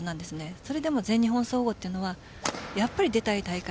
それでも全日本総合はやっぱり出たい大会。